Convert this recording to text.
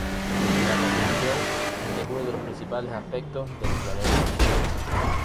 La conjunción es uno de los principales aspectos de los planetas.